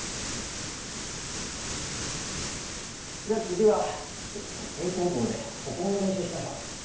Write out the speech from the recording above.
じゃあ次は平行棒で歩行の練習しましょう。